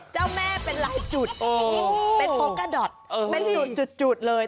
เจ้าแม่เป็นไรจุดเป็นโพค่าดอทเป็นหยุดจุดเลย